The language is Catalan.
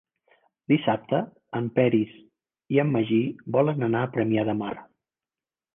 Dissabte en Peris i en Magí volen anar a Premià de Mar.